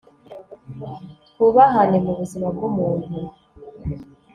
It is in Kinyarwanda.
twubahane mu buzima bw'umuntu